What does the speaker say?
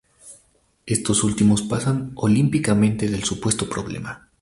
estos últimos pasan olímpicamente del supuesto problema